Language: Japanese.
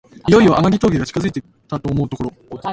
いよいよ天城峠が近づいたと思うころ